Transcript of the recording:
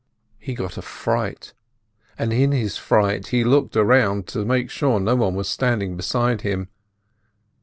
He got a fright, and in his fright he looked round to make sure no one was standing beside him.